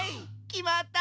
きまった！